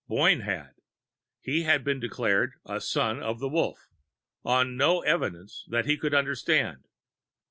Boyne had. He had been declared a Son of the Wolf, on no evidence that he could understand.